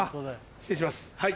失礼しますはい。